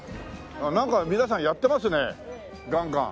なんか皆さんやってますねガンガン。